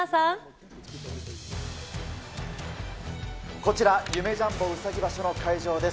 こちら、夢・ジャンボうさぎ場所の会場です。